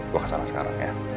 gue kesana sekarang ya